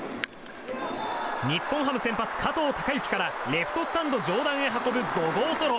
日本ハム先発、加藤貴之からレフトスタンド上段へ運ぶ５号ソロ。